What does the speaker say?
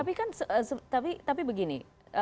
tapi kan tapi begini